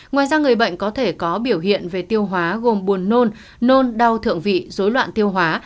ngoài ra người bệnh có thể có biểu hiện về tiêu hóa gồm buồn nôn nôn đau thượng vị dối loạn tiêu hóa